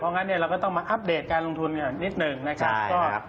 เพราะฉะนั้นเราก็ต้องมาอัปเดตการลงทุนนี่นิดหนึ่งนะครับ